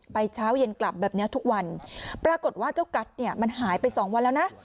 เช้าเย็นกลับแบบนี้ทุกวันปรากฏว่าเจ้ากัสเนี่ยมันหายไปสองวันแล้วนะ